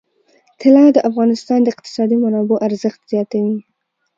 طلا د افغانستان د اقتصادي منابعو ارزښت زیاتوي.